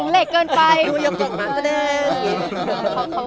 อันนั้นก็จะหยิงเหล็กเกินไป